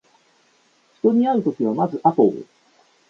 人に会うときはまずアポを